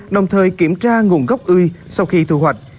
đồng thời kiểm tra nguồn gốc ươi sau khi thu hoạch